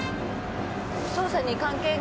捜査に関係が？